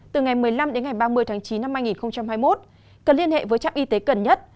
từ ngày một mươi năm đến ngày ba mươi tháng chín năm hai nghìn hai mươi một cần liên hệ với trạm y tế gần nhất